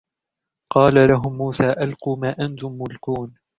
قال لهم موسى ألقوا ما أنتم ملقون